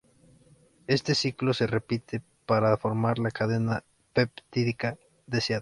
Este ciclo se repite para formar la cadena peptídica deseada.